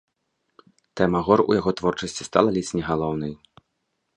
Тэма гор у яго творчасці стала ледзь не галоўнай.